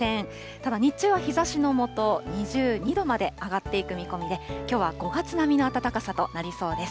ただ日中は日ざしの下、２２度まで上がっていく見込みで、きょうは５月並みの暖かさとなりそうです。